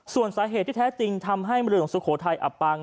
ส่วนสาเหตุที่แท้จริงทำให้เมืองหลวงสุโขทัยอับปัง